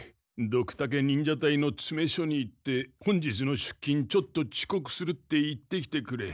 ドクタケ忍者隊の詰め所に行って本日の出勤ちょっとちこくするって言ってきてくれ。